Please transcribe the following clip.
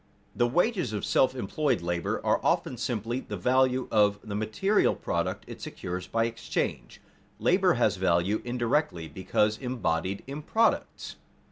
The wages of self employed labor are often simply the value of the material product it secures by exchange. Labor has value indirectly because embodied in products.